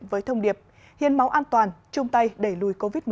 với thông điệp hiến máu an toàn chung tay đẩy lùi covid một mươi chín